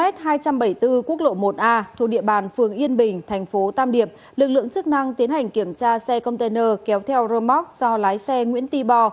tại km hai trăm bảy mươi bốn quốc lộ một a thu địa bàn phường yên bình thành phố tam điệp lực lượng chức năng tiến hành kiểm tra xe container kéo theo rơm móc do lái xe nguyễn tì bò